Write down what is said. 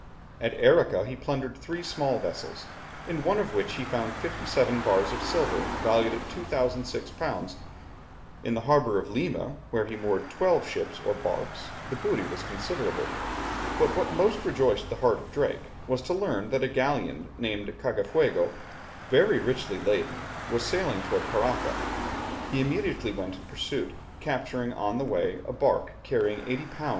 At Arica he plundered three small vessels, in one of which he found fifty seven bars of silver valued at 2006_l._ In the harbour of Lima, where were moored twelve ships or barks, the booty was considerable. But what most rejoiced the heart of Drake was to learn that a galleon named the Cagafuego, very richly laden, was sailing towards Paraca. He immediately went in pursuit, capturing on the way a bark carrying 80 lbs.